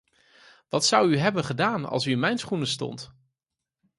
Wat zou u hebben gedaan als u in mijn schoenen stond?